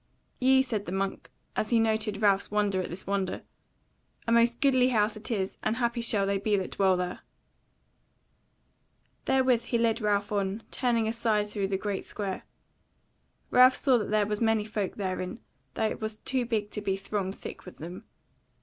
"Yea," said the monk, as he noted Ralph's wonder at this wonder; "a most goodly house it is, and happy shall they be that dwell there." Therewith he led Ralph on, turning aside through the great square. Ralph saw that there were many folk therein, though it was too big to be thronged thick with them.